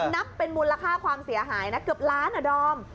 นับเป็นมูลค่าความเสียหายนะเกือบล้านอ่ะดอม